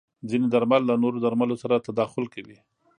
ځینې درمل له نورو درملو سره تداخل کوي.